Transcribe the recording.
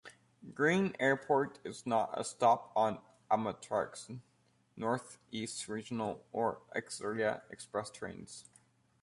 Green Airport is not a stop on Amtrak's "Northeast Regional" or "Acela Express" trains.